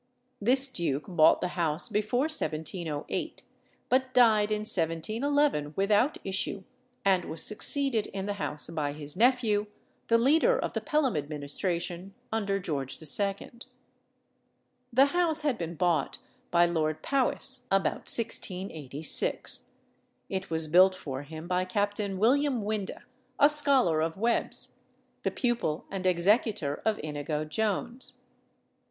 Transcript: This duke bought the house before 1708, but died in 1711 without issue, and was succeeded in the house by his nephew, the leader of the Pelham administration under George II. The house had been bought by Lord Powis about 1686. It was built for him by Captain William Winde, a scholar of Webbe's, the pupil and executor of Inigo Jones.